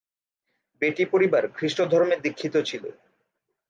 বেটি পরিবার খ্রিস্টধর্মে দীক্ষিত ছিল।